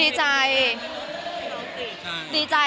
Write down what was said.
มีใครปิดปาก